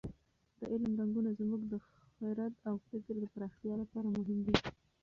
د علم رنګونه زموږ د خرد او فکر د پراختیا لپاره مهم دي.